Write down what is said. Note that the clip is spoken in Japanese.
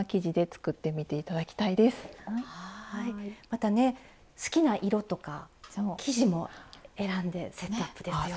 またね好きな色とか生地も選んでセットアップですよ。